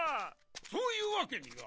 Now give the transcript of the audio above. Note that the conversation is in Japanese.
・そういうわけには。